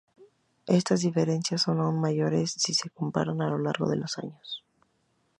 Estas diferencias son aún mayores si se comparan a lo largo de los años.